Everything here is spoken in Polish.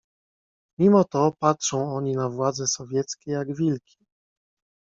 "Mimo to patrzą oni na władzę sowieckie, jak wilki."